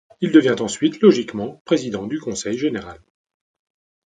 Il devient ensuite logiquement Président du Conseil général.